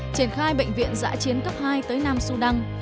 triển khai bệnh viện giã chiến cấp hai tới nam sudan